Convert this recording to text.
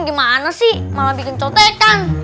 gimana sih malah bikin cotekan